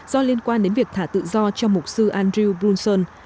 do liên quan đến việc thả tự do cho mục sư andrew brunson